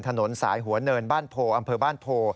ถนนสายหัวเนินบ้านโพอำเภอบ้านโพ